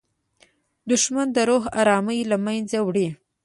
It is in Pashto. دښمن د روح ارامي له منځه وړي